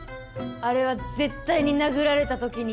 あれは絶対に殴られた時にできた。